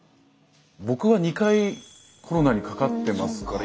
僕は２回コロナにかかってますから。